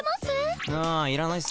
あいらないっす。